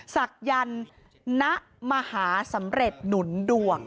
ศักยันต์ณมหาสำเร็จหนุนดวง